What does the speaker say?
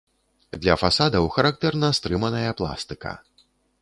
Для фасадаў характэрна стрыманая пластыка.